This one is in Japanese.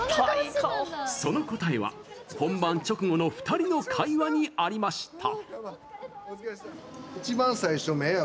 その答えは本番直後の２人の会話にありました。